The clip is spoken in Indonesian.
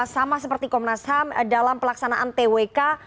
sama seperti komnasam dalam pelaksanaan twk